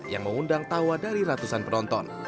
yang mengundang tawa dari ratusan penonton